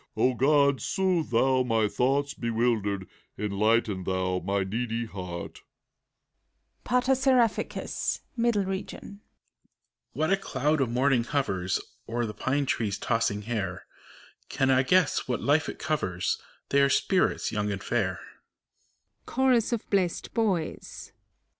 O God, soothe Thou my thoughts bewildered, Enlighten Thou my needy heart! PATER SERAPHICUS. {Middle Region,) What a cloud of morning hovers O'er the pine trees' tossing hairf Can I guess what life it covers? They ure spirits, young and fair.